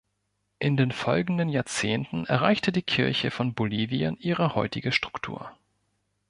In den folgenden Jahrzehnten erreichte die Kirche von Bolivien ihre heutige Struktur.